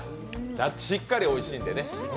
しっかりおいしいんでね。